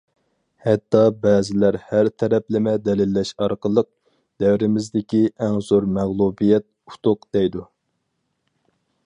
ھەتتا بەزىلەر ھەر تەرەپلىمە دەلىللەش ئارقىلىق، دەۋرىمىزدىكى ئەڭ زور مەغلۇبىيەت« ئۇتۇق» دەيدۇ.